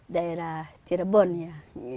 daerah cirebon ya